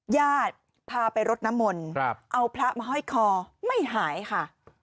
ญาติพาไปรดน้ำมนต์เอาพระมาห้อยคอไม่หายค่ะ